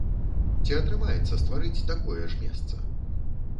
Ці атрымаецца стварыць такое ж месца?